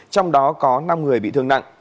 trong đó có năm người bị thương nặng